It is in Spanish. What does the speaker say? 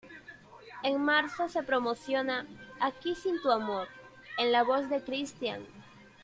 En marzo se promociona "Aquí sin tu amor" en la voz de Christian.